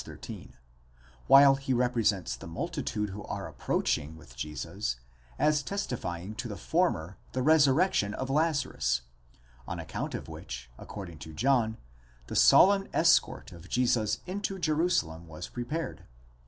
13), while he represents the multitude who are approaching with Jesus as testifying to the former the resurrection of Lazarus, on account of which, according to John, the solemn escort of Jesus into Jerusalem was prepared (v.